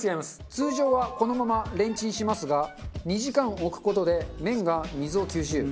通常はこのままレンチンしますが２時間置く事で麺が水を吸収。